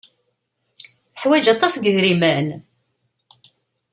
Teḥwaj aṭas n yidrimen?